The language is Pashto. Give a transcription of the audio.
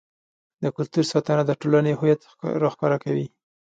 د کلتور ساتنه د ټولنې هویت راښکاره کوي.